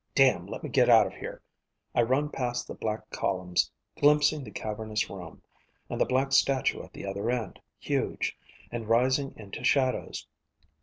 Damn, let me get out of here. I run past the black columns, glimpsing the cavernous room, and the black statue at the other end, huge, and rising into shadows.